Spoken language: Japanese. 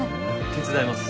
手伝います。